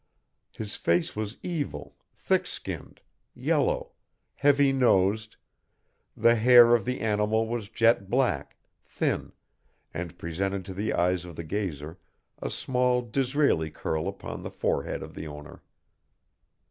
His face was evil, thick skinned, yellow, heavy nosed, the hair of the animal was jet black, thin, and presented to the eyes of the gazer a small Disraeli curl upon the forehead of the owner.